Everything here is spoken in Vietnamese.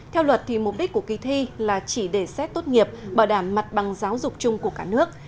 theo luật mục đích của kỳ thi là chỉ để xét tốt nghiệp bảo đảm mặt bằng giáo dục chung của cả nước